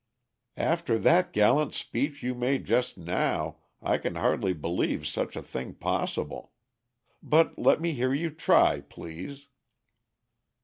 "After that gallant speech you made just now, I can hardly believe such a thing possible. But let me hear you try, please."